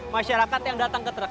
masyarakat yang datang ke truk